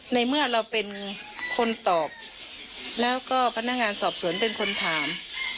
ในเมื่อเราเป็นคนตอบแล้วก็พนักงานสอบสวนเป็นคนถาม